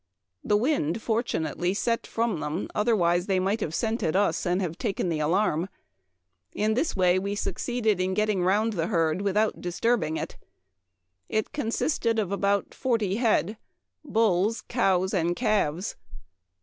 The wind fortunately set from them, otherwise they might have scented us and have taken the alarm. In this way we succeeded in getting round the herd without disturbing it. It consisted of about forty head, bulls, cows, and calves.